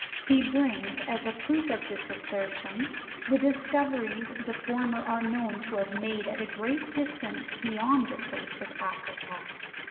He brings as a proof of this assertion the discoveries the former are known to have made at a great distance beyound the coast of Africa.